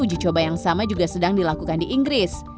uji coba yang sama juga sedang dilakukan di inggris